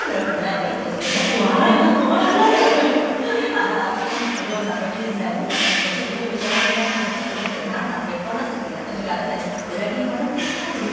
「あなたにもお嬢さんのリズちゃんにもご主人にも幸せになってほしいと思ってるけどあなたが結婚なすった時に私があなたに“裏切り者”って言ったでしょ？」